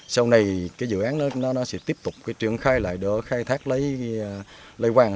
sau này cái dự án nó sẽ tiếp tục truyền khai lại để khai thác lấy quang